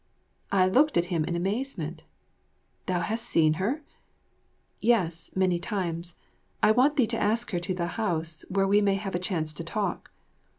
I looked at him in amazement. "Thou hast seen her?" "Yes, many times. I want thee to ask her to the house, where we may have a chance to talk."